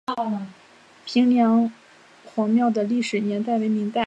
平凉隍庙的历史年代为明代。